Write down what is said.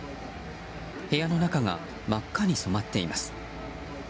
部屋の中が真っ赤に染まってます。